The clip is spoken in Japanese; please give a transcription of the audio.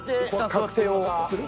確定をする？